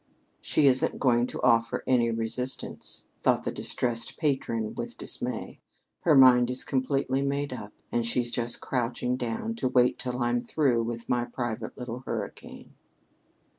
"She isn't going to offer any resistance," thought the distressed patron with dismay. "Her mind is completely made up and she's just crouching down to wait till I'm through with my private little hurricane."